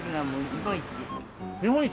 日本一？